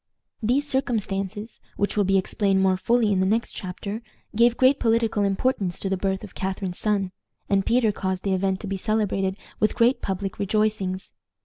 These circumstances, which will be explained more fully in the next chapter, gave great political importance to the birth of Catharine's son, and Peter caused the event to be celebrated with great public rejoicings.